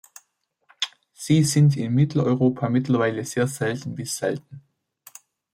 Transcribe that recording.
Sie sind in Mitteleuropa mittlerweile sehr selten bis selten.